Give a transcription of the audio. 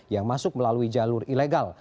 yang masuk melalui jalur ilegal